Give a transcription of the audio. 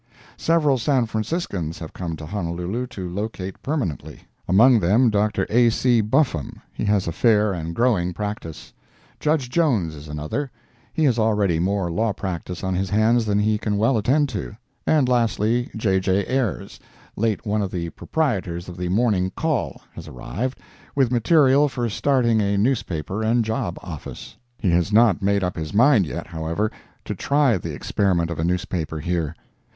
Several San Franciscans have come to Honolulu to locate permanently. Among them Dr. A. C. Buffum; he has a fair and growing practice. Judge Jones is another; he has already more law practice on his hands than he can well attend to. And lastly, J. J. Ayers, late one of the proprietors of the Morning Call, has arrived, with material for starting a newspaper and job office. He has not made up his mind yet, however, to try the experiment of a newspaper here.